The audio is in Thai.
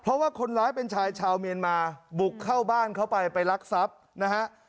เพราะว่าคนร้ายเป็นชายชาวเมียนมาบุกเข้าบ้านเขาไปไปรักทรัพย์นะฮะ